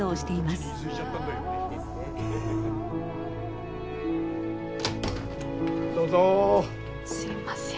すいません。